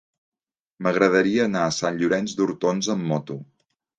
M'agradaria anar a Sant Llorenç d'Hortons amb moto.